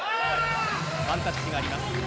ワンタッチがあります。